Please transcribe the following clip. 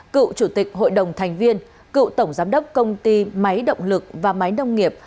cựu chủ tịch hội đồng thành viên cựu tổng giám đốc công ty máy động lực và máy nông nghiệp